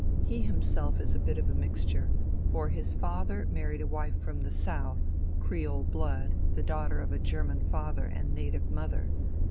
He himself is a bit of a mixture, for his father married a wife from the South Creole blood, the daughter of a German father and native mother.